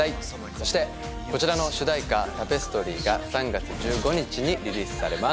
そしてこちらの主題歌『タペストリー』が３月１５日にリリースされます。